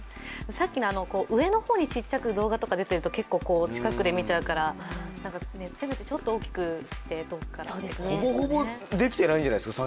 さっきの上の方にちっちゃく動画とか出てると近くで見ちゃうからせめてちょっと大きくして遠くから見るといいですね。